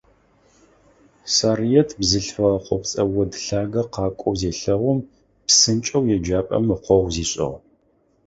Сарыет бзылъфыгъэ къопцӏэ од лъагэ къакӏоу зелъэгъум, псынкӏэу еджапӏэм ыкъогъу зишӏыгъ.